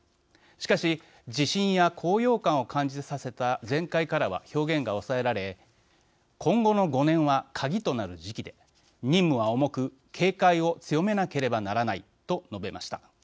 しかし自信や高揚感を感じさせた前回からは表現が抑えられ今後の５年はカギとなる時期で任務は重く警戒を強めなければならないと述べました。